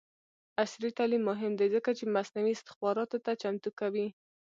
عصري تعلیم مهم دی ځکه چې مصنوعي استخباراتو ته چمتو کوي.